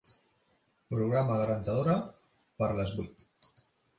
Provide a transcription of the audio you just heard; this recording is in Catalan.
Programa la rentadora per a les vuit.